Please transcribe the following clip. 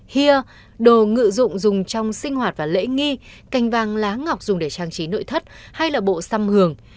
hia đồ ngự dụng dùng trong sinh hoạt và lễ nghi cành vàng lá ngọc dùng để trang trí nội thất hay là bộ xăm hường